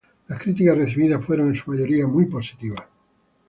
Las críticas recibidas fueron en su mayoría positivas.